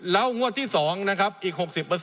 แล้วงวดที่๒อีก๖๐